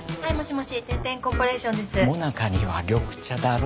もなかには緑茶だろ？